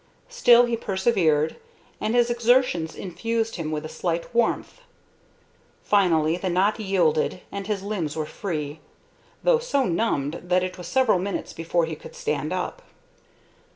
Still he persevered, and his exertions infused him with a slight warmth. Finally the knot yielded and his limbs were free, though so numbed that it was several minutes before he could stand up.